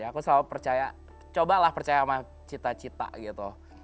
aku selalu percaya cobalah percaya sama cita cita gitu